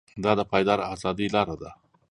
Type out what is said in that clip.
دا د پایداره ازادۍ لاره ده.